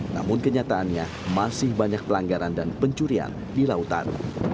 namun kenyataannya masih banyak pelanggaran dan pencurian di lautan